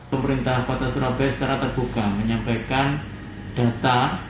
pemerintah kota surabaya secara terbuka menyampaikan data